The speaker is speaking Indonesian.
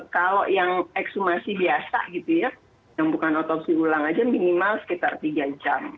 kalau yang ekshumasi biasa gitu ya yang bukan otopsi ulang aja minimal sekitar tiga jam